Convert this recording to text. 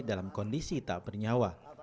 dalam kondisi tak bernyawa